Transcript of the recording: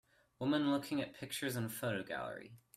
Woman looking at pictures in a photo gallery.